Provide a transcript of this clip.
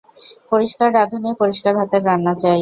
পরিষ্কার রাঁধুনী, পরিষ্কার হাতের রান্না চাই।